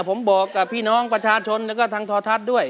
ผมบอกกับพี่น้องประชาชนแล้วก็ทางทอทัศน์ด้วย